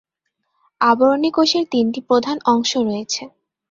আবরণী কোষের তিনটি প্রধান অংশ রয়েছে।